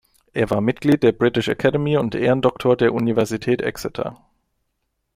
Er war Mitglied der British Academy und Ehrendoktor der Universität Exeter.